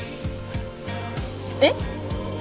えっ？